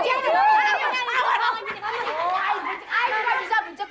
iy gak bisa becek